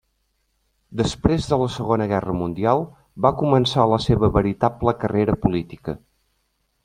Després de la Segona Guerra Mundial va començar la seva veritable carrera política.